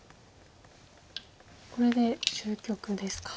これで終局ですか。